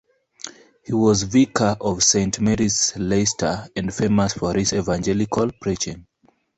He was vicar of Saint Mary's Leicester and famous for his evangelical preaching.